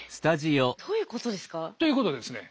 どういうことですか？ということでですね